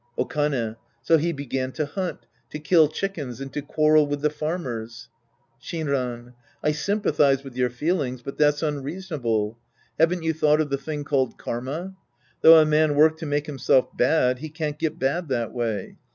Okane. So he began to hunt, to kill chickens and to quarrel with the farmers. Shinran. I sympathize with your feelings. But that's unreasonable. Haven't you thought of the thing called karma. Though a man work to make himself bad, he can't get bad that way.